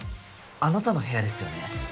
あなたの部屋ですよね。